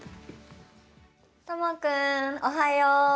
トモ君おはよう。